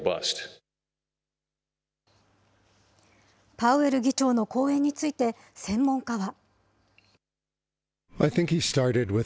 パウエル議長の講演について、専門家は。